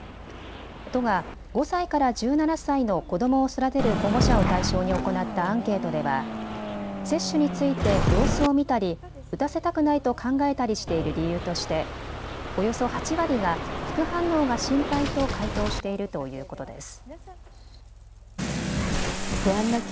都が５歳から１７歳の子どもを育てる保護者を対象に行ったアンケートでは、接種について様子を見たり打たせたくないと考えたりしている理由としておよそ８割が副反応が心配と回答しているということです。